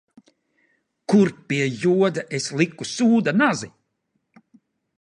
Kur, pie joda, es liku sūda nazi?